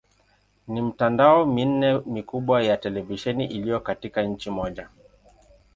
Ni mitandao minne mikubwa ya televisheni iliyo katika nchi moja.